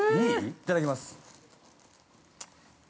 いただきます。